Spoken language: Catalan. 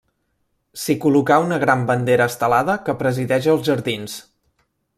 S'hi col·locà una gran bandera estelada que presideix els jardins.